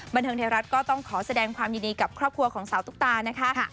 บันเทิงไทยรัฐก็ต้องขอแสดงความยินดีกับครอบครัวของสาวตุ๊กตานะคะ